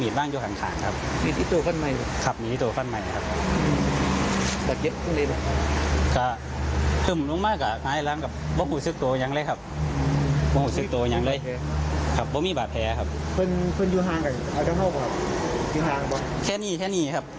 ดูแลลักษณะสิทธิ์ค่ะ